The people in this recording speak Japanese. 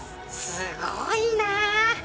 すごいな。